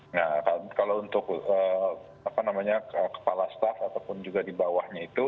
nah kalau untuk kepala staff ataupun juga di bawahnya itu